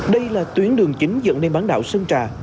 đây là tuyến đường chính dẫn đến bán đảo sơn trà